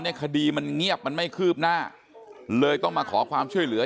คดีมันเงียบมันไม่คืบหน้าเลยต้องมาขอความช่วยเหลือ